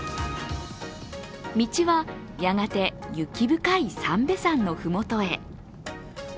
道はやがて雪深い三瓶山のふもとへ。